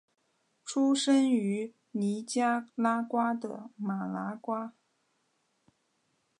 出生于尼加拉瓜的马拿瓜。